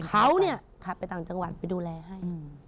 เขาเนี่ยขับไปต่างจังหวัดไปดูแลให้